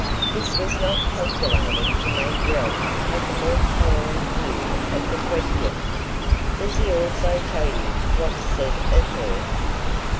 This was not calculated to make Ralph take a more tolerant view of the question. "Does he also tell you what's said of her?"